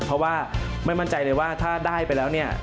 เพราะว่าไม่มั่นใจเลยว่าถ้าได้ไปแล้วเนี่ย